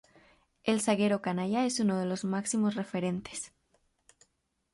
El zaguero canalla es uno de los máximos referentes.